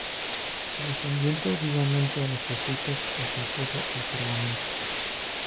Defendiendo vivamente a los Jesuitas, y se opuso al Parlamento.